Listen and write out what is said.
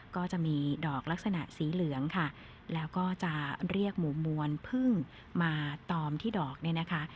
ก็จะมีดอกลักษณะสีเหลืองค่ะแล้วก็จะเรียกหมูมวลพึ่งมาตอมที่ดอกเนี่ยนะคะ